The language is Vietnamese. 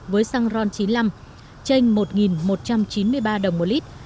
với xăng ron chín mươi năm tranh một một trăm chín mươi ba đồng một lít